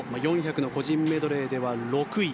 ４００の個人メドレーでは６位。